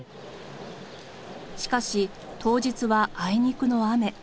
しかし当日はあいにくの雨。